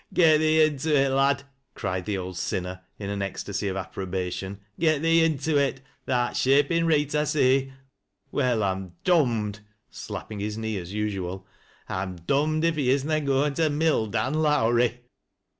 "Get thee unto it, lad," cried the old sinner in an ecstasy of approbation, " Get thee unto it ! Tha'rt shapin' reet I see. Why, I'm dom'd," slapping his knee B8 usual —" I'm dom'd if he is na goin' to mill Dan Lowrie